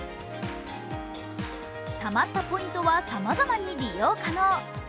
たまったポイントは、さまざまに利用可能。